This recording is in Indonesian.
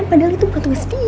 padahal itu bukan tugas dia